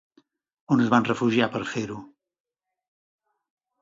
On es van refugiar per fer-ho?